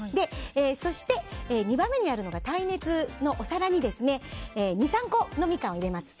そして、２番目にやるのが耐熱のお皿に２、３個のミカンを入れます。